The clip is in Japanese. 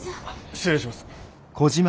失礼します。